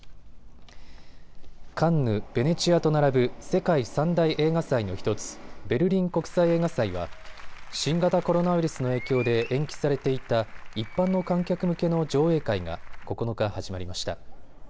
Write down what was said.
カンヌ、ベネチアと並ぶ世界３大映画祭の１つ、ベルリン国際映画祭は新型コロナウイルスの影響で延期されていた一般の観客向けの上映会が９日、始まりました。